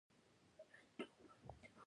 ژبه د ذهن د بدلون نښه ده.